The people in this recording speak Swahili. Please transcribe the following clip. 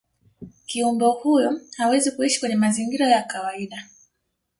kiumbe huyo hawezi kuishi kwenye mazingira ya kawaida